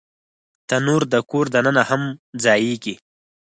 تنور د کور دننه هم ځایېږي